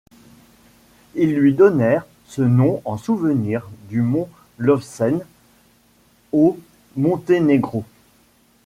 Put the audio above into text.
Ils lui donnèrent ce nom en souvenir du mont Lovćen au Monténégro.